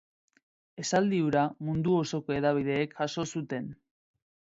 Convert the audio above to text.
Esaldi hura mundu osoko hedabideek jaso zuten.